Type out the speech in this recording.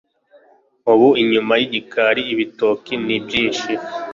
ubu inyuma y'igikali ibitoki ni byinshi